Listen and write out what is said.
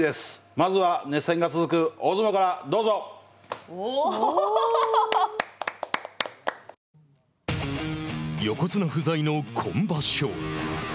まずは、熱戦が続く横綱不在の今場所。